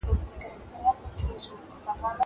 زه اوږده وخت سپينکۍ پرېولم وم.